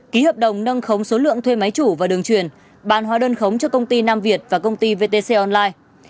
ký hợp đồng nâng khống số lượng thuê máy chủ và đường truyền bán hóa đơn khống cho công ty nam việt và công ty vtc online